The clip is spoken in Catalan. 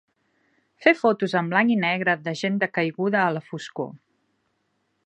Fer fotos en blanc i negre de gent decaiguda a la foscor.